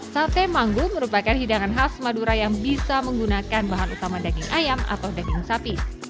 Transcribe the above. sate manggul merupakan hidangan khas madura yang bisa menggunakan bahan utama daging ayam atau daging sapi